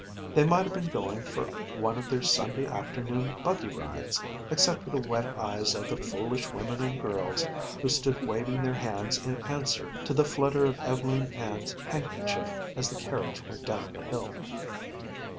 They might have been going for one of their Sunday afternoon "buggy rides" except for the wet eyes of the foolish women and girls who stood waving their hands in answer to the flutter of Ev'leen Ann's handkerchief as the carriage went down the hill.